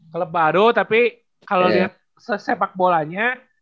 klub baru tapi kalau lihat sepak bolanya